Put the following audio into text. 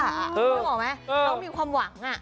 ไม่รู้หรือไหมเรามีความหวังอ่ะ